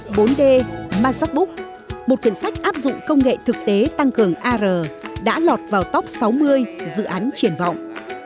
thực tế ảo tăng cường ar một cuốn sách áp dụng công nghệ thực tế tăng cường ar đã lọt vào top sáu mươi dự án triển vọng